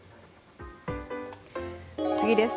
次です。